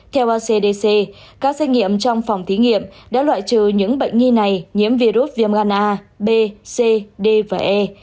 theo acdc các xét nghiệm trong phòng thí nghiệm đã loại trừ những bệnh nhi này nhiễm virus viêm gan a b c d và e